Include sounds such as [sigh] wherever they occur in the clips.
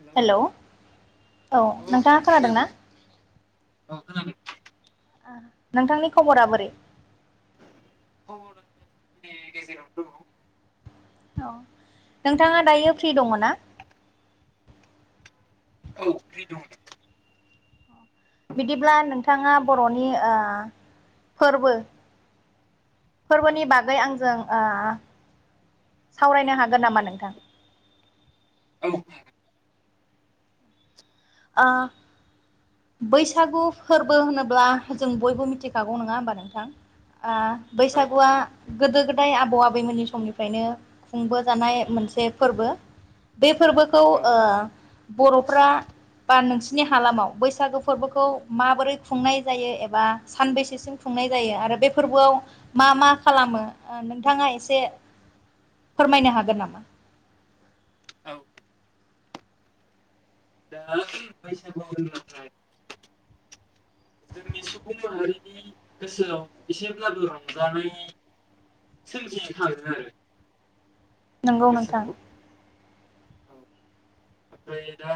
हेल' hello औ औ नोंथां नोंथाङा खोनादोंना? खोनादों औ खोनादों ओ नोंथांनि खबरा बोरै? [unintelligible] गेजेरावनो दङ। औ नोंथाङा दायो फ्रि दङ ना? औ फ्रि दं। बिदिब्ला नोंथाङा बर'नि ओ फोरबो औ फोरबोनि बागै आंजों ओ सावरायनो हागोन नामा नोंथां? औ ओ बैसागु फोरबो होनोब्ला जों बयबो मिथिखागौ नङा होमबा नोंथां बा औ बैसागुआ गोदो गोदाय आबौ आबैमोननि समनिफ्रायनो खुंबोजानाय मोनसे फोरबो बे फोरबोखौ ओ औ बर'फ्रा बा नोंसिनि हालामाव बैसागु फोरबोखौ माबोरै खुंनाय जायो एबा सानबैसेसिम खुंनाय जायो आरो बे फोरबोआव मा मा खालामो नोंथाङा एसे फोरमायनो हागोन नामा? औ दा बैसागु होनोब्ला जोंनि सुबुं माहारिनि गोसोआव एसेब्लाबो रंजानाय सोमजिखांङो नंगौ नोंथां औ ओमफ्राय दा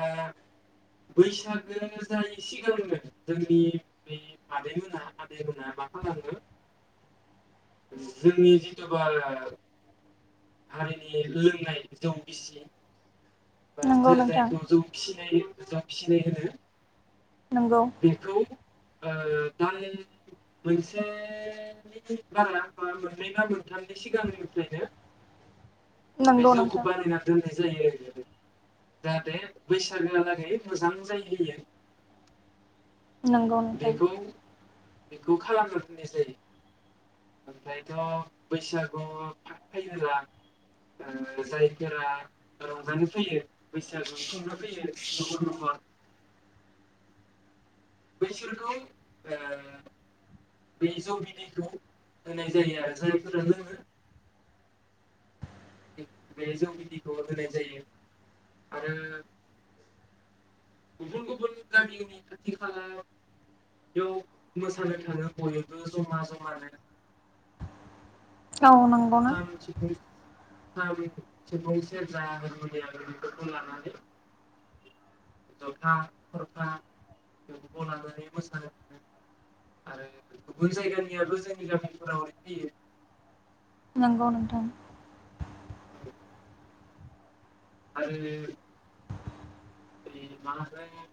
बैसागो जायै सिगांनो जोंनि बे मादै मोनहा आदैमोनहा मा खालामो जोंनि जिथ'बा हारिनि लोंनाय जौ गिसि बा नंगौ जे नोंथां जायखौ जौ फिसिनाय होनो मोजां फिसिनाय होनो नंगौ बेखौ ओ दा नों मोनसेनि बारा मोननै बा मोनथामनि सिगांनिफ्रायनो बे नंगौ जौखौ नोंथां बानायनानै दोननाय जायो। जायो जाहाथे बैसागोआलागै मोजां जाहैयो नंगौ नोंथां बेखौ बेखौ खालामनो फैनाय जायो ओमफ्रायथ' बैसागु फैब्ला ओ जायफोरा रंजानो फैयो बैसागु खुंनो फैयो न'खर न'खर बैसोरखौ ओ बे जौ बिदैखौ होनाय जायो आरो जायफोरा लोंङो बे जौ बिदिखौ होनाय जायो आरो गुबुन गुबुन गामिनि खाथि खाला बेयाव मोसानो थांङो बयबो जमा जमानो औ नोंगौना खाम सिफुं खाम सिफुं सेरजा हारमनिया बेफोरखौ लानानै जथा थरखा बेफोरखौ लानानै मोसानो थांङो आरो गुबुन जायगानियाबो जोंनि गामिफोराव फैयो नंगौ नोंथां [inaudible] आरो मा होनो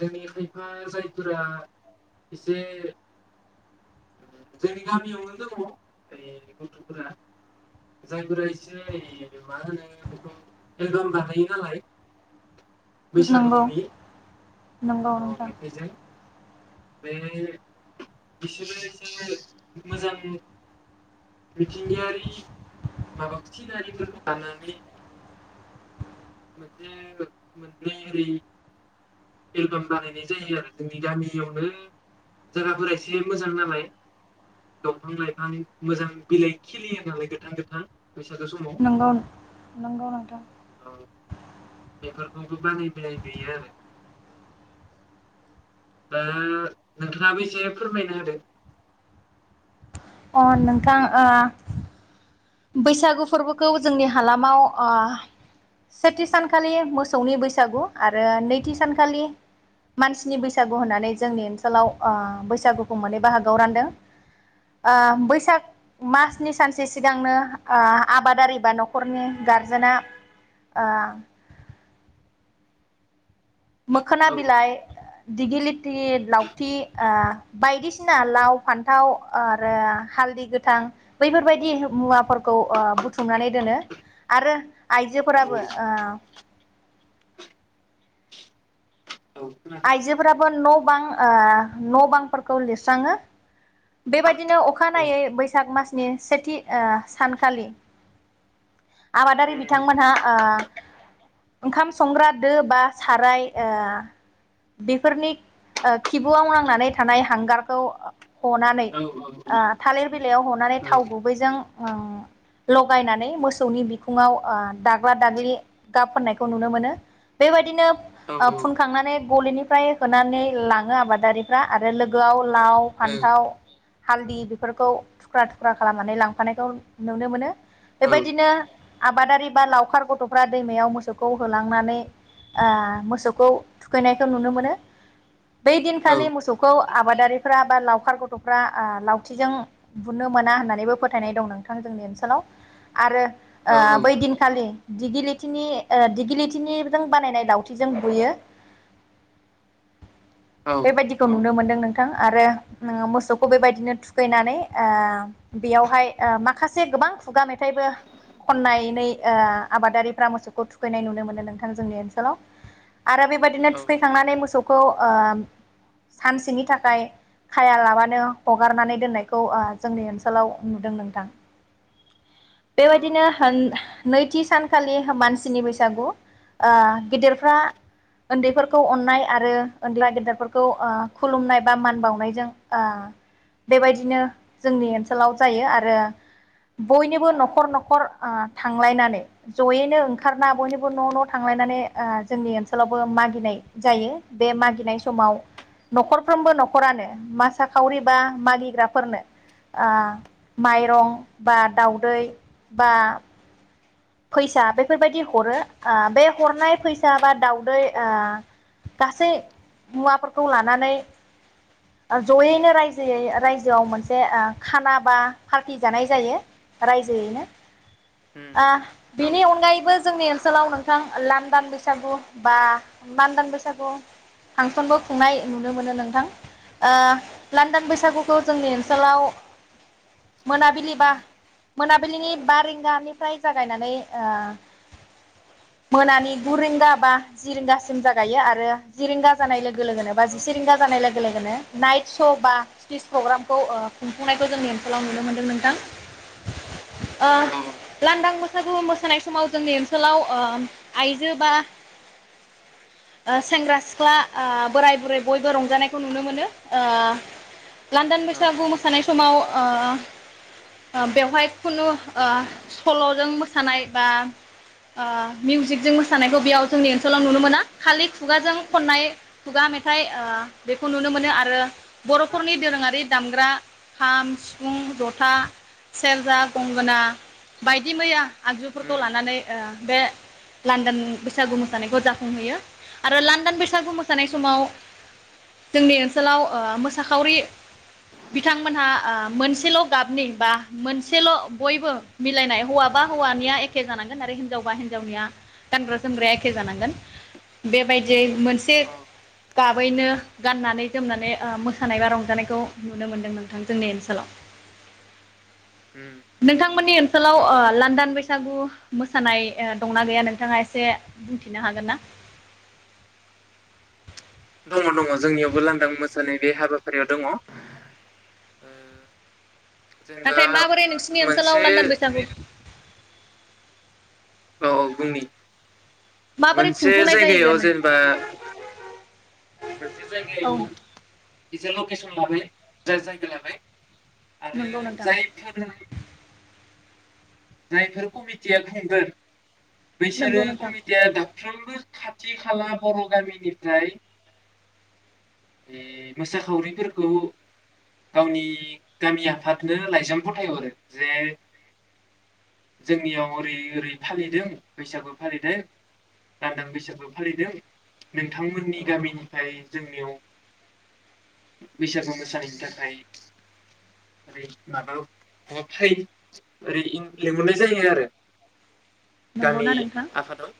जोंनि खायफा जायफोरा एसे जोंनि गामियावनो दङ ओ गथ'फोरा जायफोरा एसे मा होनो बेखौ एलबाम बानायो नालाय बैसागुनि नोंगौ अ नोंथां मेथाइजों बे बिसोरो एसे मोजां मिथिंगायारि माबा सिनारिफोरखौ लानानै मोनसे मोननै ओरै एलबाम बानायनाय जायो आरो जोंनि गामियावनो जायगाफोरा एसे मोजां नालाय दंफां लाइफां मोजां बिलाइ खिलियो नालाय गोथां गोथां बैसागो समाव नंगौ नंगौ नोंथां। बेफोरखौबो बानाय [unintelligible] आरो दा नोंथाङाबो एसे फोरमायना होदो। अ नोंथां ओ बैसागु फोरबोखौ जोंनि हालामाव ओ सेथि सानखालि मोसौनि बैसागु आरो नैथि सानखालि मानसिनि बैसागु होननानै जोंनि ओनसोलाव ओ बैसागुखौ मोनै बाहागोआव रानदों ओ बैसाग मासनि सानसे सिगां नोंथांनो ओ आबादारि बा न'खरनि गारजेना ओ मोखोना औ बिलाइ दिगि लिथि लावथि ओ बायदिसिना लाव, फान्थाव ओ आरो हालदै गोथां बैफोरबायदि मुवाफोरखौ ओ बुथुमनानै दोनो आरो औ आइजोफोराबो ओ औ खोनादों आइजोफोराबो न' बां ओ न' बांफोरखौ लिरस्राङो बेबायदिनो औ अखानायै बैसाग मासनि सेथि ओ सानखालि आबादारि उम बिथांमोनहा ओ ओंखाम संग्रा दो बा साराय ओ बेफोरनि ओ खिबुआव नांनानै थानाय हांगारखौ हनानै औ औ ओ थालिर बिलाइयाव हनानै थाव गुबैजों ओ लगायनानै मोसौनि बिखुङाव ओ दाग्ला दाग्लि गाब फोननायखौ नुनो मोनो बेबायदिनो ओ फुनखांनानै गलिनिफ्राय होनानै लाङो आबादारिफ्रा आरो लोगोयाव लाव, फान्थाव, हालदि बेफोरखौ थुख्रा थुख्रा खालामनानै लांफानायखौ नुनो मोनो। बे बायदिनो आबादारि बा लावखार गथ'फ्रा दैमायाव मोसौखौ होलांनानै ओ मोसौखौ थुखैनायखौ नुनो मोनो। बै दिनखालि मोसौखौ आबादारिफ्रा बा लाव लावखार गथ'फ्रा आ लावथिजों बुनो मोना होननानैबो फोथायनाय दं नोंथां जोंनि ओनसोलाव आरो ओ बैदिनखालि दिगि लिथिनि दिगि लिथिनिजों बानायनाय लाउथिजों बुयो। औ बेबायदिखौ नुनो मोन्दों। नोंथां आरो मोसौखौ बेबायदिनो थुखैनानै ओ बेयावहाय ओ माखासे गोबां खुगा मेथाइबो खननानै ओ आबादारिफ्रा मोसौखौ थुखैनाय नुनो मोनो नोंथां जोंनि ओनसोलाव। आरो बेबायदिनो थुखैखांनानै मोसौ खौ ओ सानसेनि थाखाय खाया लाबानो हगारनानै दोननायखौ ओ जोंनि ओनसोलाव नुदों नोंथां। औ औ बेबायदिनो आतसा आतसा नैथि सान खालि मानसिनि बैसागु ओ गेदेरफ्रा उन्दैफोरखौ अननाय आरो अनदैया गेदेरफोरखौ औ ओ खुलुमनाय बा मान बावनायजों ओ बेबायदिनो जोंनि ओनसोलाव जायो आरो बयनिबो न'खर न'खर ओ थांलायनानै जयैनो ओंखारना बयनिबो न' न' थांलायनानै ओ जोंनि ओनसोलावबो मागिनाय जायो बे मागिनाय समाव न'खरफ्रोमबो न'खरानो मोसाखावरि बा मागिग्राफोरनो ओ माइरं बा, दाउदै बा, फैसा बेफोरबायदि हरो ओ बे हरनाय फैसा बा दाउदै ओ गासै मुवाफोरखौ लानानै ज'यैनो रायजोयै रायजोआव मोनसे ओ खाना बा पार्टि जानाय जायो रायजोयैनो। उम ओ औ बेनि अनगायैबो जोंनि ओनसोलाव नोंथां लानदां बैसागु बा लांदां बैसागु फांसनबो खुंनाय नुनो मोनो नोंथां ओ लांदां बैसागुखौ जोंनि ओनसोलाव मोनाबिलि बा मोनाबिलिनि बा रिंगानिफ्राय जागायना नै ओ मोनानि गु रिंगा बा जि रिंगासिम जागायो आरो जि रिंगा जानाय लोग लोगो लोगोन बा जि रिंगा जानाय लोग लोगो लोगोनो नाइट श' बा स्टेज प्रग्रामखौ ओ खुंफुंनायखौ जोंनि ओनसोलाव नुनो मोनदों नोंथां। औ ओ लान्दांबो सागु मोसानाय समाव जोंनि ओनसोलाव ओ आइजो बा ओ सेंग्रा सिख्ला ओ बोराय बुरै बयबो रंजानायखौ नुनो मोनो। ओ लान्दान औ बैसागु मोसानाय स समाव ओ बेवहाय खुनु ओ सल'जों मो सानाय बा आ मिउजिकजों मोसानायखौ बेयाव जोंनि ओनसोलाव नुनो मोना खालि खुगाजों खननाय खुगा मेथाइ आ बेखौ नुनो मोनो आरो बर'फोरनि दोरोङारि दामग्रा खाम सिफुं जथा सेरजा गंगोना बायदि मै आगजुफोरखौ उम लानानै ओ बे लान्दान बैसागु मोसानायखौ जाफुंहोयो आरो लान्दान बैसागु मोसानाय समाव जोंनि ओनसोलाव ओ मोसाखावरि बिथांमोनहा आ मोनसेल' गाबनि बा मोनसेल' बयबो मिलायनाय हौवा बा हौवानिया एखे जानांगोन आरो हिन्जावबा हिन्जावनिया गानग्रा जोमग्राया एखे जानांगोन बेबायदि जे मोनसे औ गाबैनो गाननानै जोमनानै ओ मोसानाय बा रंजानायखौ नुनो मोनदों नोंथां जोंनि ओनसोलाव। उम नोंथांमोननि ओनसोलाव ओ नंगौ नंगौ लान्दां सागु मोसानाय ओ दंना गैया नोंथाङा एसे बुंथिनो हागोन ना? दङ दङ जोंनियावबो लांदां मोसानाय बे हाबाफारियाव दङ। ओ जेनेबा नाथाय माबोरै नोंसिनि मोनसे ओनसोलाव लान्दान बैसागु औ औ बुंनि माबोरै मोनसे खुंफुंनाय जायगायाव जाहैगोन जेनबा मनसे औ जायगायाव एसे लकेसन लाबै जायगा लाबाय। आरो नंगौ नोंथां जायफोरो जायफोर कमिटिया खुंगोन। बैसोरो नंगौ नोंथां कमितिया दाफ्रोमबो खाथि खाला बर' गामिनिफ्राय ए मोसाखावरिफोरखौ गावनि गामि आफादनो लाइजाम फथायहरो जे जोंनियाव ओरै ओरै फालिदों बैसागु फालिदों लान्दां बैसागु फालिदों नोंथांमोननि गामिनि फाय जोंनियाव बैसागु मोसाहैनो थाखाय ओरै माबाव माबा फाय ओरै इं लिंहरनाय जायो आरो। गामि नंगौना नोंथां आफादाव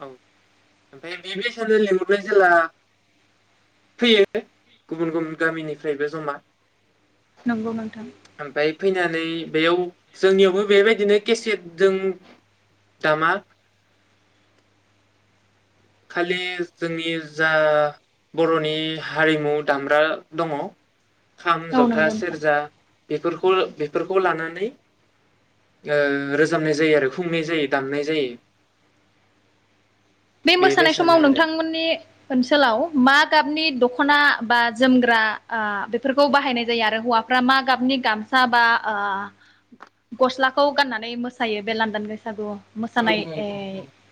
औ ओमफाय बेबायसानो लिंहरबाय जेला फैयो गुबुन गुबुन गामिनिफ्रायबो जमा। नंगौ नोंथां ओमफाय फैनानै बेयाव जोंनियावबो बेबायदिनो केसेटजों दामा। खालि जोंनि जा बर'नि हारिमु दामग्रा दङ। खाम औ जथा नंगौ नोंथां सेरजा बेफोरख बेफोरखौ लानानै रोजाबनाय जायो आरो खुंनाय जायो दामनाय जायो। बे मोसानाय समाव बेबायसानो आरो नोंथांमोननि ओनसोलाव। मा गाबनि दखना बा जोमग्रा बेफोरखौ बाहायनाय जायो आरो हौवाफ्रा मा गाबनि गामसा बा गस्लाखौ गाननानै मोसायो बे लान्दां बैसागु। औ मोसानाय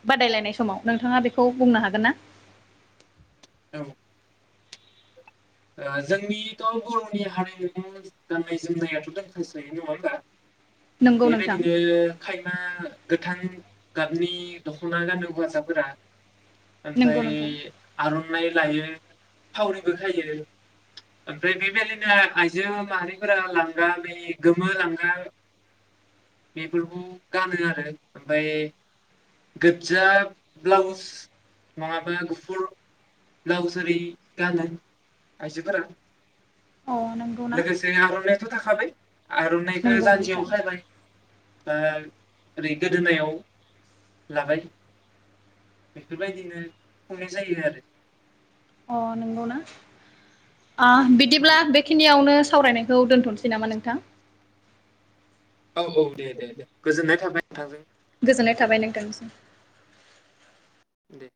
बादायलायनाय। समाव नोंथाङा बेखौ बुंनो हागोन ना। औ जोंनिथ' बर'नि हारिमु गाननाय जोमनायाथ' दोंखासै नङा होमबा। नंगौ नोंथां बेबायदिनो खायमा गोथां गाबनि दख'ना गानो हौवासाफोरा। नंगौ आमफ्राय नोंथां आर'नाइ। लायो खावरिबो खायो‌ ओमफ्राय बे बादिनो आइजो माहारिफोरा लांगा बा गोमो लांगा बेफोरखौ गानो आरो ओमफ्राय गोजा ब्लाउस नङाबा गुफुर ब्लाउस ओरै गानो। आयजोफोरा अ नंगौ ना लोगोसे आर'नाइ। [unintelligible] आर'नाइखौ नंगौ जान्जियाव नोंथां खायबाय। बा ओरै गोदोनायाव लाबाय बेफोरबायदिनो खुंनाय जायो आरो अ नोंगौना औ बिदिब्ला बेखिनियावनो सावरायनायखौ दोन्थ'नोसै नामा नोंथां औ औ दे दे गोजोननाय थाबाय। नोंथांजों गोजोननाय थाबाय सावरायनानै नोंथांनिसिम दे